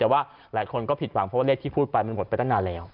แต่ว่าหลายคนก็ผิดหวังเพราะว่าเลขที่พูดไปมันหมดไปตั้งนานแล้ว